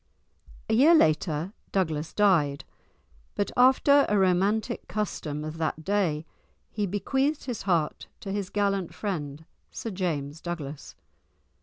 A year later Bruce died, but after a romantic custom of that day he bequeathed his heart to his gallant friend, Sir James Douglas.